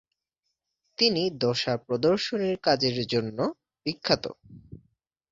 তিনি দশা প্রদর্শনীর কাজের জন্য বিখ্যাত।